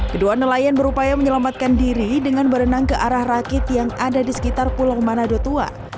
kedua nelayan berupaya menyelamatkan diri dengan berenang ke arah rakit yang ada di sekitar pulau manado tua